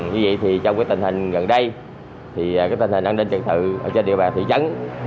vì vậy trong tình hình gần đây tình hình an ninh trật tự trên địa bàn thị trấn